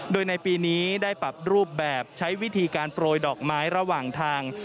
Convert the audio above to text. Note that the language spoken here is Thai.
โดยในปีนี้ได้ปรับรูปแบบใช้วิธีการโปรยดอกไม้ระหว่างทาง